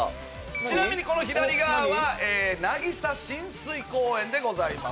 ちなみに左側は渚親水公園でございます。